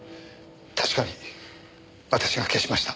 確かに私が消しました。